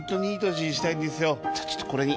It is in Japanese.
じゃあちょっとこれに。